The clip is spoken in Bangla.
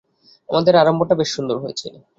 আমাদের আরম্ভটা বেশ সুন্দর হয়েছে।